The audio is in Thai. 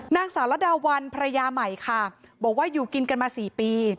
นางสารดาวันพระยามัยค่ะบอกว่าอยู่กินกันมา๔ปี